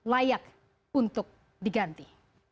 layak untuk diganti